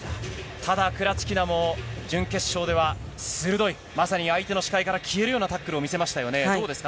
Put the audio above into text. ただクラチキナも準決勝では鋭い、まさに相手の視界から消えるようなタックルを見せましたよね。